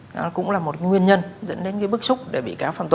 nó cũng là một nguyên nhân dẫn đến cái bức xúc để bị cáo phạm tội